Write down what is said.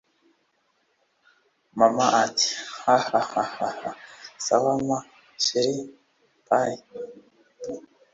mama ati: hahahaha! sawa ma cherie, bye!!